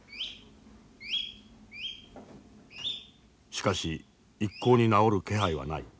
しかし一向に治る気配はない。